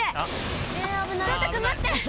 翔太君待って！